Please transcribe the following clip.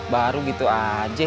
baru gitu aja